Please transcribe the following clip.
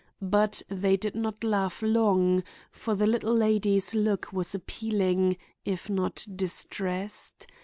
But they did not laugh long, for the little lady's look was appealing, if not distressed.